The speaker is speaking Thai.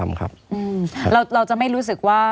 ไม่มีครับไม่มีครับ